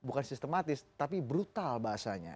bukan sistematis tapi brutal bahasanya